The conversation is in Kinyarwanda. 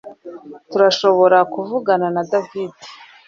Turashobora kuvugana na David